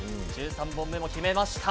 １３本目も決めました。